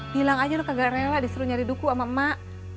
bilang aja lo kagak rela disuruh nyari duku sama emak